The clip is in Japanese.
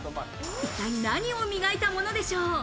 一体何を磨いたものでしょう？